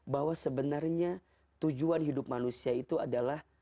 bahwa sebenarnya tujuan hidup manusia itu adalah